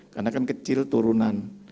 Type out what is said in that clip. karena kan kecil turunan